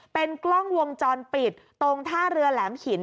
เป็นกล้องวงจรปิดตรงท่าเรือแหลมหิน